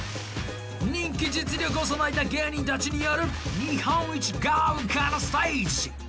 人気・実力を備えた芸人たちによる日本一豪華なステージ。